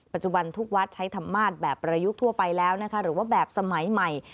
ปัจจุบันทุกวัดใช้ธรรมาศแบบประยุกต์ทั่วไปแล้วนะคะหรือว่าแบบสมัยใหม่